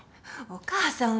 お母さん。